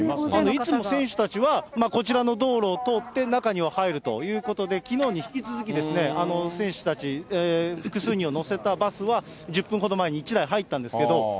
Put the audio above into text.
いつも選手たちは、こちらの道路を通って中には入るということで、きのうに引き続きですね、選手たち、複数人を乗せたバスは、１０分ほど前に１台入ったんですけど。